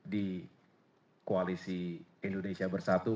di koalisi indonesia bersatu